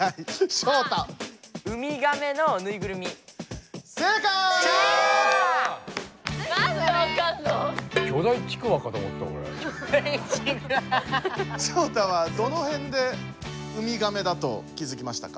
ショウタはどのへんでウミガメだと気づきましたか？